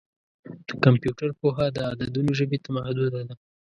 د کمپیوټر پوهه د عددونو ژبې ته محدوده ده.